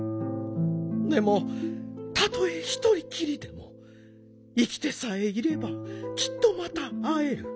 でもたとえひとりきりでも生きてさえいればきっとまたあえる。